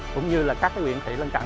cũng như là các cái nguyện thị lân cận